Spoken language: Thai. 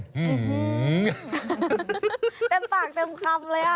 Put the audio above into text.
เต็มปากเต็มคำเลยอ่ะ